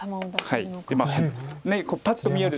これパッと見える。